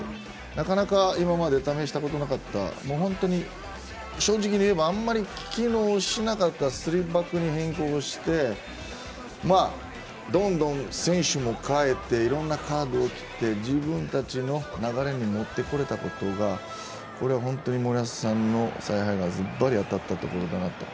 なかなか今まで試したことのなかった正直に言えばあんまり機能しなかった３バックに変更してまあどんどん選手も代えていろんなカードを切って自分たちの流れにもってこれたことがこれは本当に森保さんの采配がずばり当たったところだなと。